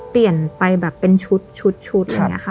เปลี่ยนไปแบบเป็นชุดอย่างนี้ค่ะ